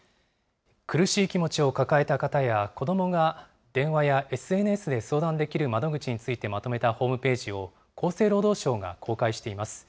苦しい気持ちを抱えた方や、子どもが電話やＳＮＳで相談できる窓口についてまとめたホームページを厚生労働省が公開しています。